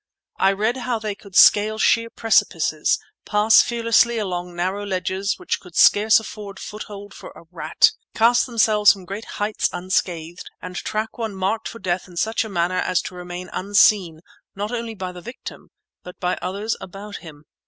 I read how they could scale sheer precipices, pass fearlessly along narrow ledges which would scarce afford foothold for a rat, cast themselves from great heights unscathed, and track one marked for death in such a manner as to remain unseen not only by the victim but by others about him.